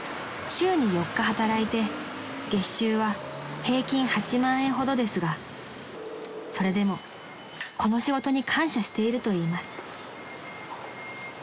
［週に４日働いて月収は平均８万円ほどですがそれでもこの仕事に感謝しているといいます］